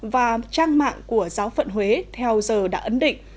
và trang mạng của giáo phận huế theo giờ đã ấn định